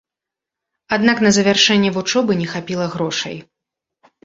Аднак на завяршэнне вучобы не хапіла грошай.